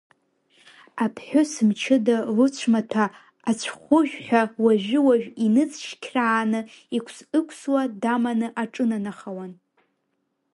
Аԥҳәыс мчыда лыцәмаҭәа ацәхәыжәҳәа уажәы-уажә иныҵшьқьрааны, иқәс-ықәсуа даманы аҿынанахауан.